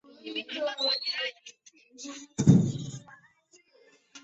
疏毛长蒴苣苔为苦苣苔科长蒴苣苔属下的一个变种。